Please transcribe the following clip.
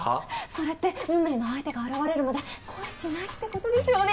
それって運命の相手が現れるまで恋しないってことですよね？